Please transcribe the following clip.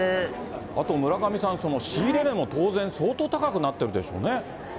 あと村上さん、仕入れ値も当然相当高くなってるでしょうね。